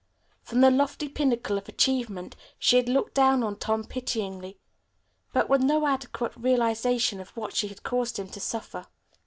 From the lofty pinnacle of achievement she had looked down on Tom pityingly, but with no adequate realization of what she had caused him to suffer.